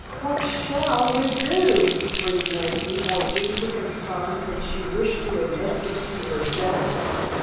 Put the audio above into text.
"What shall we do!" breathed Nancy, more deeply concerned than she wished to admit even to herself.